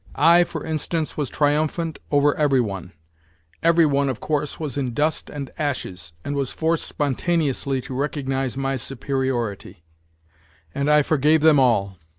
I, for instance, was triumphant over every one ; every one, of course, was in dust and ashes, and was forced spon taneously to recognize my superiority, and I forgave them all.